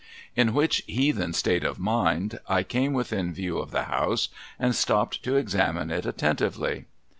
In which heathen state of mind, I came within view of the house, and stopped to examine it attentively.